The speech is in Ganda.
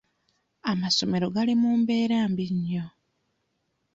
Amasomero gali mu mbeera mbi nnyo.